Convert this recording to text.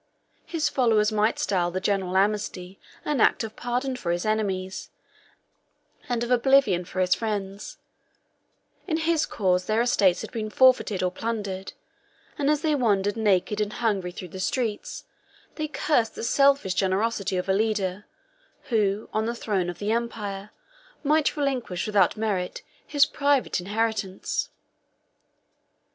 His followers might style the general amnesty an act of pardon for his enemies, and of oblivion for his friends: 35 in his cause their estates had been forfeited or plundered; and as they wandered naked and hungry through the streets, they cursed the selfish generosity of a leader, who, on the throne of the empire, might relinquish without merit his private inheritance.